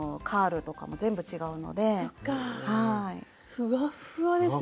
ふわっふわですよ。